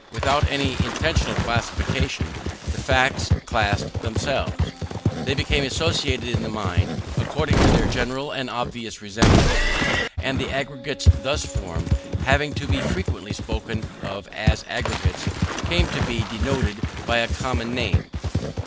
Without any intentional classification, the facts classed themselves. They became associated in the mind, according to their general and obvious resemblances; and the aggregates thus formed, having to be frequently spoken of as aggregates, came to be denoted by a common name.